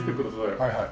はいはい。